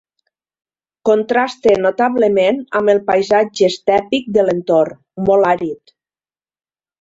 Contrasta notablement amb el paisatge estèpic de l'entorn, molt àrid.